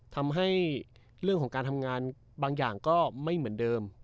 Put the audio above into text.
ทำให้เรื่องของการทำงานบางอย่างก็ไม่เหมือนเดิม